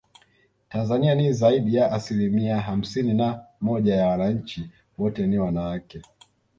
Tanzania ni zaidi ya asilimia hamsini na moja ya wananchi wote ni wanawake